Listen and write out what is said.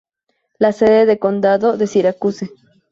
La sede de condado es Syracuse.